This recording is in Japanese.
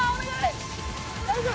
大丈夫？